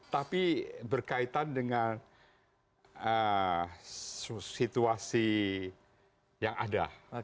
tapi berkaitan dengan situasi yang ada